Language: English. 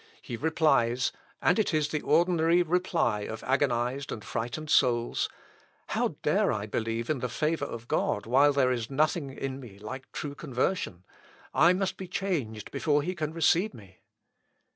He replies, and it is the ordinary reply of agonised and frightened souls, "How dare I believe in the favour of God, while there is nothing in me like true conversion? I must be changed before he can receive me."